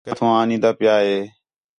کِتّھوں آ آنین٘دا پِیا ہِے